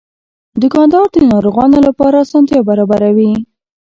دوکاندار د ناروغانو لپاره اسانتیا برابروي.